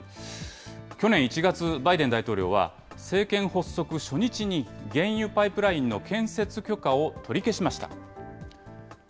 去年１月、バイデン大統領は、政権発足初日に原油パイプラインの建設許可を取り消しました。